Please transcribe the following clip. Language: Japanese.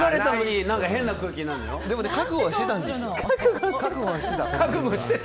でもね、覚悟はしてたんですよ。